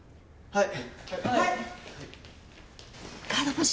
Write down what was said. はい。